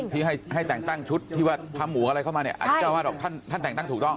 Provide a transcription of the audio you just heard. ที่ให้แต่งตั้งชุดที่ว่าพระหมูอะไรเข้ามาเนี่ยอันนี้เจ้าวาดบอกท่านแต่งตั้งถูกต้อง